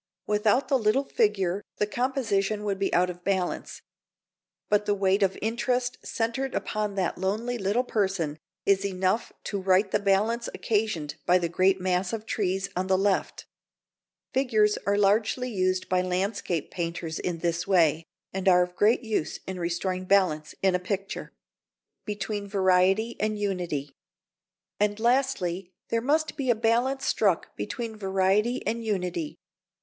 Without the little figure the composition would be out of balance. But the weight of interest centred upon that lonely little person is enough to right the balance occasioned by the great mass of trees on the left. Figures are largely used by landscape painters in this way, and are of great use in restoring balance in a picture. [Illustration: Diagram XXVII. ILLUSTRATING HOW INTEREST MAY BALANCE MASS] [Sidenote: Between Variety and Unity.] And lastly, there must be a balance struck between variety and unity.